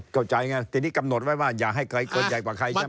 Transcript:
เข้าใจไงทีนี้กำหนดไว้ว่าอย่าให้ไกลเกินใหญ่กว่าใครใช่ไหม